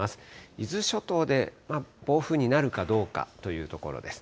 伊豆諸島で暴風になるかどうかというところです。